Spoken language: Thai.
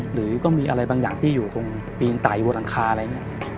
หรือก็มีอะไรบางอย่างที่อยู่ตรงปีนตายอยู่บนหลังคาอะไรเนี่ย